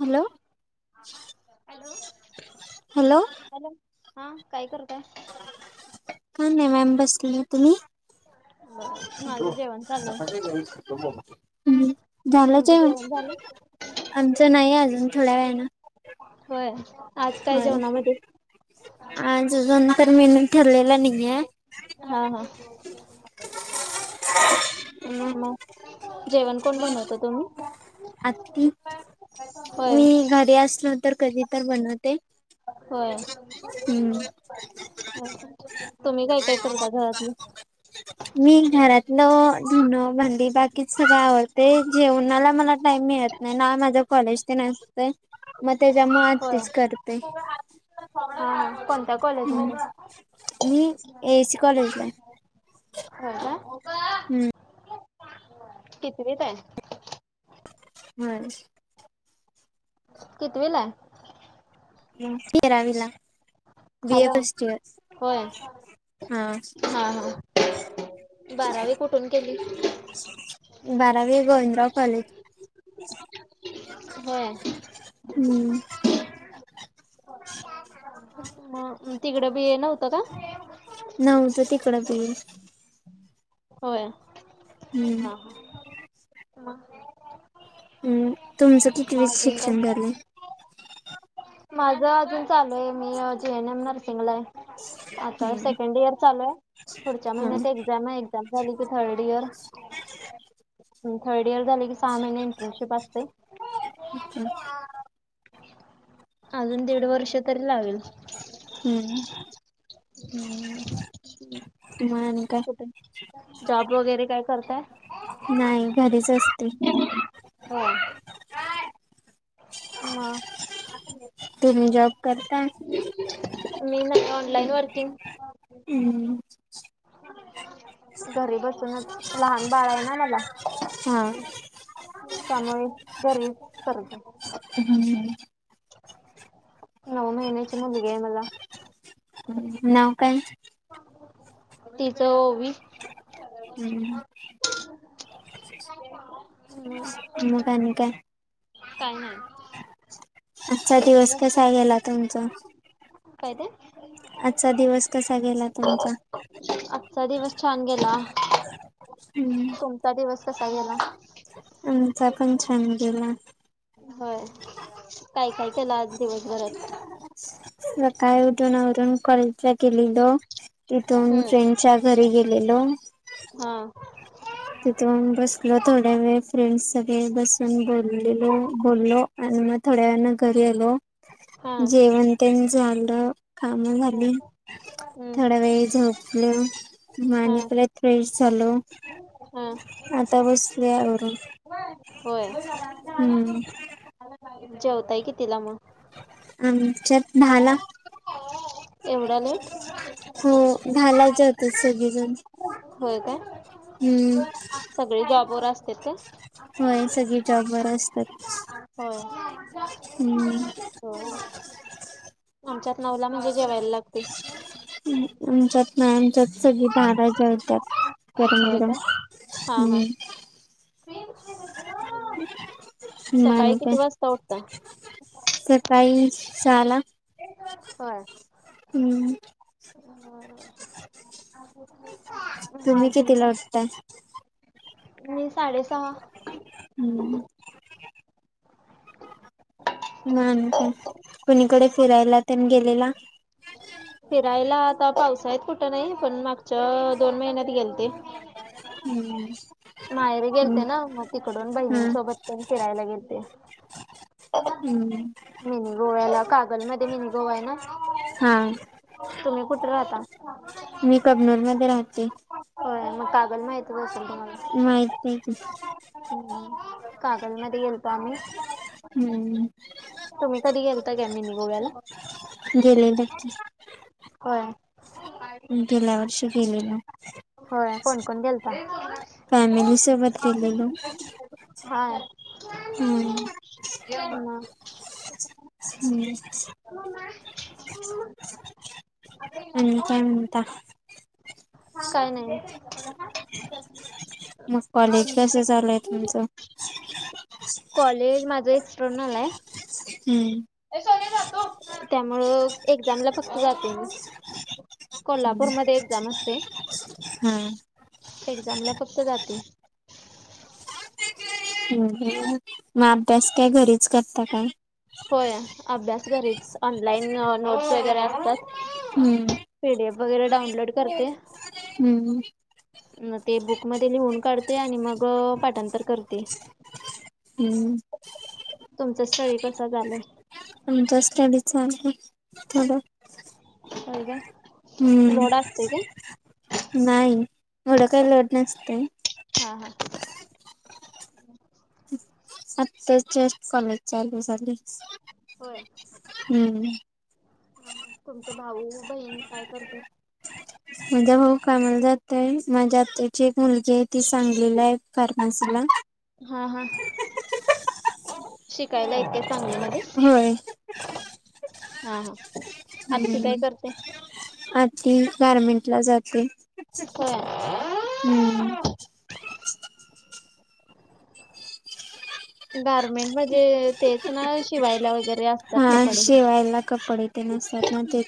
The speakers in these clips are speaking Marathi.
Hello hello. हॅलो हॅलो हा काय करतय काय नाही मॅम बसली तुम्ही बर हो माझं जेवण चालू आहे. आणतो झालंच तुमचं आहे म जेवण झालं? आमचं नाही अजून थोड्या वेळाला होय आज काय होय जेवणामध्ये? आज अजून तरर मी ठरलेला नाही आहेे हा हा मग म जेवण कोण बनवत तुम्ही आत्ती होय मी घरी असलो तर कधी तर बनवते होय हम्म तुम्ही काय काय करता घरातलं [inaudible] मी घरातलं धुणं भांडी बाकीच सगळ आवडते जेवणाला मला टाइम मिळत नाही ना माझ्या कॉलेज ते नसतय मग त्याच्या म होय. आत्तीच करते हा कोणत्या हम्म कॉलेजमध्ये मी एसी कॉलेजला हो का हम्म कितीती काय हम् किती वलाय हम्म, तेरावीला. B A hello, first year होय, हा हा. तू बारावी कुठून केली. बारावी, गोविंदराव कॉलेज. होय हम्म ह तिकड बी हे नव्हतं का ना उझं तिकडं बईल होय हम्म हा ह. अम तुमचं कितवीच काय शिक्षण झालंय. माझं अजून चालूये मी जे एन एम नर्सिंगलाय. आता हम्म सेकंड इयर चालूये, पुढच्या हा महिन्यात एक्झामे. झाली की थर्ड इयर, अन थर्ड इयर झाली की सहा महीने इंटर्नशिप असते. अच्छा [inaudible] अजून दीड वर्ष तरी लागल. हम्म. हम्म [inaudible] तूमा अनी काय? जॉब वगैरे काय करताय. नाय, घरीच असते. हो. मग तुम्ही जॉब करता. मीना ऑनलाईन वर्किंग, हम्म. घरी बसूनच, लहान बाळे ना मला. हा. त्यामुळे, घरी करते. हम्म. नऊ महिन्याची मुलगीये मला. नाव काय? तिचं ओवी. हम्म मग आनि काय. काय नाही. आजचा तुमच्या दिवस घरी कोण कसा कोण गेला असतं? तुमचा? काय ते. आजचा दिवस कसा गेला तुमचा? आजचा दिवस छान गेला. हम्म. तुमचा दिवस कसा गेला? अमचा छान गेला. होय. काय, काय केलं, आज दिवसभरात. सकाळी उठून, आवरून कॉलेजला गेलेलो. तिथून हम्म. फ्रेंडच्या घरी गेलेलो. हा. तिथून बसलो थोड्या वेळ फ्रेंड्स सगळे बसून बोललेलो बोललो. आणि मग थोड्या वेळानं घरी आलो हा. जेवण ते झालं. काम हम्म. झाली थोडा वेळ झोपलो हम्म. हा. आणि परत फ्रेश झालो. हा! आता बसलोय आवरून. होय, हम्म जेवताय कितिला मग? आमच्यात दाहाला एवढा लेट. दाराला जेवतात, सगळेजण. होय काय? हम्म. सगळे जॉबवर असत्यात काय? होय सगळे जॉब बर असतात. होय! हम्! हो. आमच्यात नवला म्हणजे जेवायला लागतय. आमच्यात नाय आमच्यात सगळी बाराला जेवतात. गरम होय गरम, काय? हा हा. हम! [inaudible] सकाळी नंतर किती वाजता उठता? सकाळी सहाला. होय. हम्म! बरोबर. तुम्ही अजून काय? कितीला उठताय? मी साडेसहा. हम्म! म आणि काय कुणीकडे फिरायला तेन गेलेला? फिरायला आता पावसाळ्यात कुठं नाही पण मागच्या दोन महिन्यात गेलते. हम्म! माहेरी हम्म गेलते ना, मग तिकडून हा बहिणींन सोबत तेन फिरायला गेलते. हम्म! मिनी गोव्याला कागल मध्ये मिनी गोवा आहे ना? हा तुम्ही कुठे राहता? मी कबनूर मध्ये राहते. होय मग कागल माहीतच असेल तुम्हाला? माहिताय की. कागल मध्ये गेलतो आम्ही. हम्म. तुम्ही कधी गेलता काय मिनी गोव्याला? गेलेली की. होय. गेल्या वर्षी गेलेलो. होय कोण कोण गेलता? फॅमिली सोबत गेलेलो हा! हम्म [inaudible] हम्म! आणि काय म्हणता? काय नाही. मग कॉलेज कस चालू आहे तुमचं? कॉलेज माझं एक्सर्नल आहे. हम्म. त्यामुळे एक्झामला फक्त जाते मी. कोल्हापूरमध्ये एक्झाम असते हा एक्झामला फक्त जाते. म अभ्यास काय घरीच करता काय? होय अभ्यास घरीच ऑनलाईन नोट्स वगैरे असतात. हम्म पी डी एफ वगैरे डाऊनलोड करते. हूं हूं म ते बुक मध्ये लिहून काढते आणि मग पाठांतर करते. हम्म! तुमचा स्टडी कस चालू आहे? आमचा स्टडी छान थोडं होय काय? हम्म, लोड असतोय काय? नाही एढं काही लोड नसतय. हा हा. आत्ताच जस्ट कॉलेज चालू झाली. होय. हूं हा तुमचे भाऊ बहीण काय करतात. माझा भाऊ कामाला जातोय माझ्या आत्याची एक मुलगी आहे ती सांगलीला आहे फार्मसीला हा हा शिकायला हाईत काय सांगलीमध्ये होय. हा हा आत्ती काय करते? ती गारमेंट ला जाते होय. हम्म गार्मेंट म्हणजे तेच ना शिवायला वगैर हा शिवायला कपडे तेनं असतात ना ते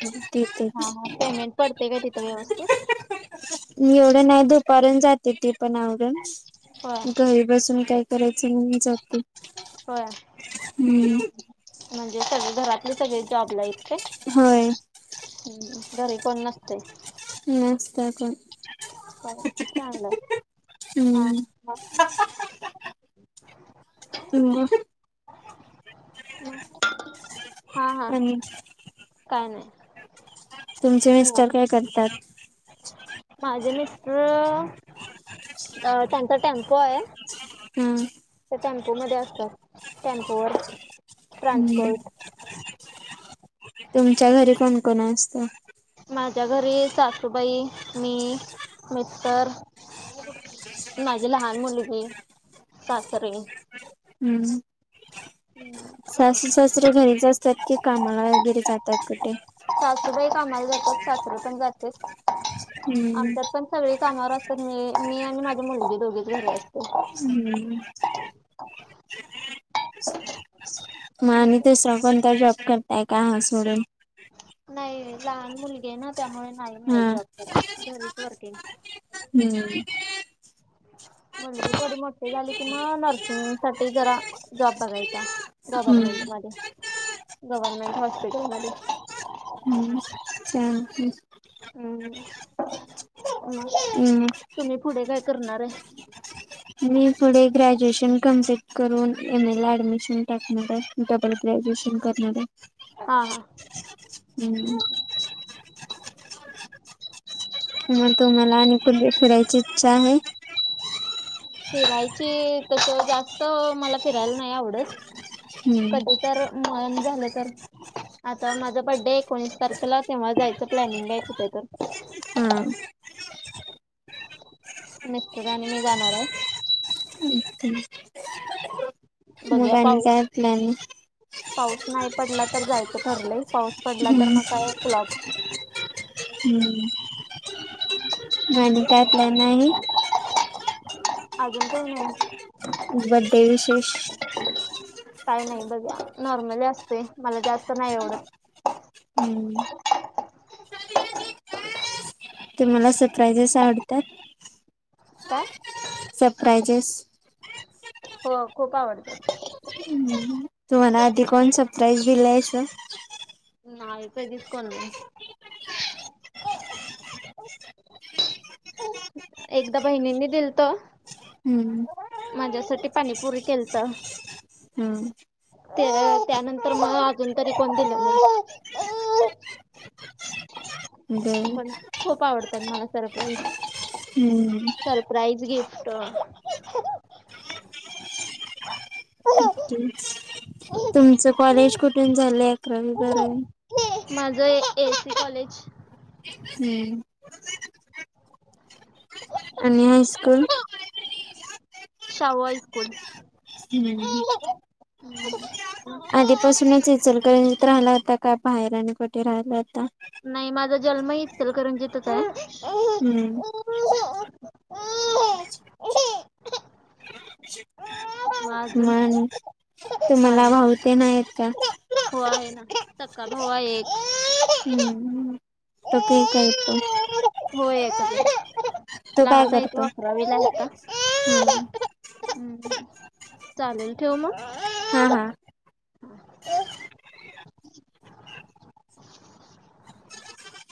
हा तिथेच हा पेमेंट पडते काय तिथं व्यवस्थीत एवढं नाही दुपारून जाते ती पण आवरून होय घरी बसून काय कारायच म्हणून जाते. होय. म्हणजे सगळे घरातले सगळे जॉबला हाईत काय? होय हम्म घरी कोण नसतय. नसतंय कोणं. चांगलंय हा हम्म [unintelligible] हा हा. [unintelligible] काय नाय. तुमचे मिस्टर काय करतात. माझे मिस्टर अ त्यांचा टेम्पो आहे. हा. ते टेम्पो मध्ये असतात टेम्पो वर ट्रान्सपोर्ट तुमच्या घरी कोणकोण असत. माझ्या घरी सासूबाई मी मिस्टर माझी लहान मुलगी सासरे हम्म सासू सासरे घरीच असतात की कामाला वगैरे जातात कुठे? सासूबाई कामाला जातात सासरे पण जातात हम्म आमच्यात पण सगळे कामावर असतात मी मी आणि माझी मुलगी दोघीच घरी असतो. हूं हूं म मी आणि दुसरा कोणता जॉब करताय का हा सोडून नाही लहान मुलगी हाय ना त्यामुळे नाही मिळत हा जॉब करायला घरीच वर्किंग हम्म मुलगी थोडी मोठी झाली की म नर्सिंग साठी जरा जॉब बघायचा. गव्हर्नमेंट मध्ये गव्हर्मेंट हॉस्पिटलमध्ये हम्म चालतंय हम्. मग हम्म तुम्ही पुढे काय करणार आहे? मी पुढे ग्रॅज्युएशन कंप्लीट करून एम ए ला ऍडमिशन टाकणार आहे. म ग्रॅज्युएशन करणारए. हा हा. हम्म. मग तुम्हाला आणि कुठ फिरायची इच्छा आहे. फिरायची तस जास्त मला फिरायला नाय आवडत हम्म कधी तर म नं झालं तर आता माझा बड्डे एकोणीस तारखेला तेव्हा जायचं प्लॅनिंग हाय कुठे तर हा मित्र आणि मी जाणार आहे. मग बघूया आणि पाऊस काय प्लॅनिंग? पाऊस नाही पडला तर जायचं ठरलंय. पाऊस पडला तर मग काय फ्लॉप. तुडुम टू हम्म. म आणि काय प्लॅन नाही? अजून काही नाही. बर्थ डे विशेष. काय नाही बघा. नॉर्मली असतय. मला जास्त नाही एवढं- हम्म. ह तुम्हाला सरप्राइजेस आवडतात? काय? सरप्रायजेस. हो. खूप आवडतात. ह्. तुम्हाला आधी कोणी सरप्राईज दिलय अस? नाही. कधीच कोणी नाही. एकदा बहिणींनी दिलत. हम्म. माझ्यासाठी पाणीपुरी केलत. हम्म. त्यानंतर मला अजून तरी कोण दिल नाही. बर पण खूप आवडतात मला सरप्राईज. हम्म सर- प्राईज गिफ्ट. तुमचं कॉलेज कुठून झालंय? अकरावी, बारावी. माझं ए एस सी कॉलेज. हम्म. आणि हायस्कूल? शाहू हायस्कूल. हम्म. हम्. आधीपासूनच इचलकरंजीत राहिला होता का? बाहेर आणि कुठे राहिला होता? नाही माझा जन्म इ हम्म - [inaudible] मग अजून नाही. काय तुम्हाला नाही भाऊ न ते आहेत का? हो आहे ना. सख्खा भाऊ आहे एक. हम्म. [unintelligible] होय का. तो काय लहानयेत हो करतो? अकरावीला आत्ता. हा हम्. चालेल ठेवू मग? हा हा.